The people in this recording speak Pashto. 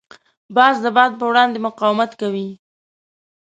باز د باد په وړاندې مقاومت کوي